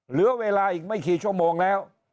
เหลือเวลาอีกไม่กี่ชั่วโมงแล้ว